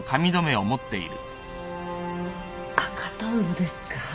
赤トンボですか。